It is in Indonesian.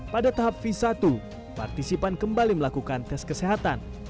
pada tahap v satu partisipan kembali melakukan tes kesehatan